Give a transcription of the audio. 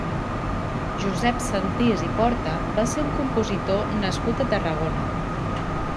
Josep Sentís i Porta va ser un compositor nascut a Tarragona.